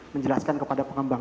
menjelaskan kepada pengembang